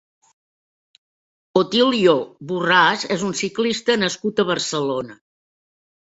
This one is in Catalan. Otilio Borrás és un ciclista nascut a Barcelona.